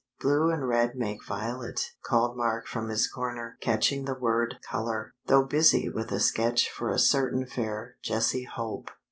"Blue and red make violet," called Mark from his corner, catching the word "color," though busy with a sketch for a certain fair Jessie Hope.